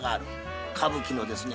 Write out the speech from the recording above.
歌舞伎のですね